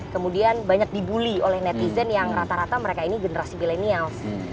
kemudian banyak dibully oleh netizen yang rata rata mereka ini generasi milenial